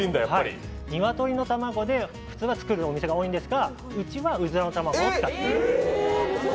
鶏の卵で普通は作るお店が多いんですが、うちはうずらの卵を使っています。